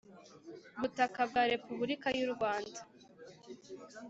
butaka bwa Repubulika y u Rwanda